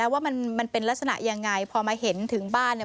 ว่ามันเป็นลักษณะยังไงพอมาเห็นถึงบ้าน